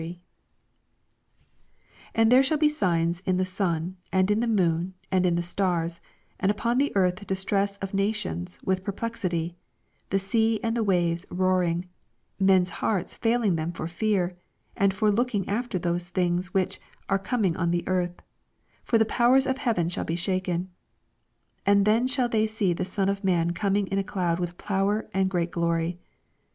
25 And there shall be signs in the B'ln, and in the moon, and in the stars ; and upon the earth distress of nations, with perplexity ; the sea and the waves roaring ; 26 Men's hearts failing them for fear, and for looking after those things whicl) are coming on the earth : tor the powers of heaven shall be shaken. 27 And then shall they see the Son of man coming in a cloud with power and great glory.